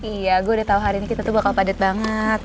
iya gue udah tau hari ini kita tuh bakal padat banget